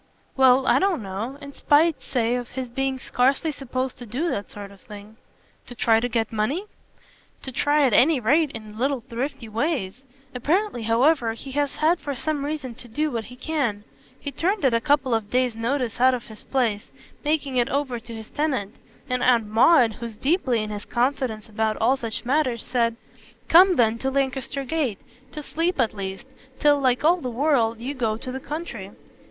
"Well, I don't know. In spite, say, of his being scarcely supposed to do that sort of thing." "To try to get money?" "To try at any rate in little thrifty ways. Apparently however he has had for some reason to do what he can. He turned at a couple of days' notice out of his place, making it over to his tenant; and Aunt Maud, who's deeply in his confidence about all such matters, said: 'Come then to Lancaster Gate to sleep at least till, like all the world, you go to the country.'